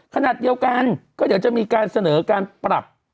ขณะเดียวกันก็เดี๋ยวจะมีการเสนอการปรับ